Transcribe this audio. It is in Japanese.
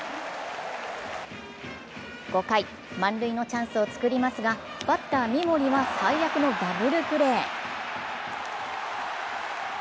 ５回、満塁のチャンスを作りますがバッター・三森は最悪のダブルプレー。